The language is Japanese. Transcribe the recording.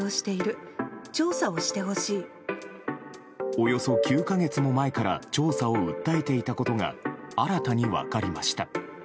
およそ９か月も前から調査を訴えていたことが新たに分かりました。